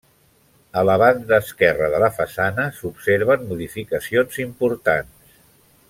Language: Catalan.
A la banda esquerra de la façana s'observen modificacions importants.